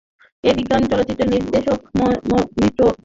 এই বিজ্ঞাপন চলচ্চিত্র নির্দেশক মৃণাল সেনের দৃষ্টি আকর্ষণ করেছিল।